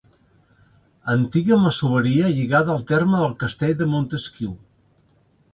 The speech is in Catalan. Antiga masoveria lligada al terme del castell de Montesquiu.